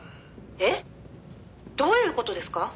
「えっどういう事ですか？」